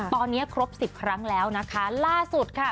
ตอนนี้ครบ๑๐ครั้งแล้วนะคะ